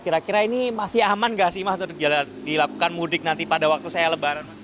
kira kira ini masih aman gak sih mas untuk dilakukan mudik nanti pada waktu saya lebaran